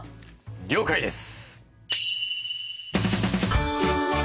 了解です！